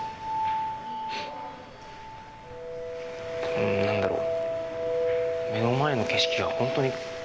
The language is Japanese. うんなんだろう。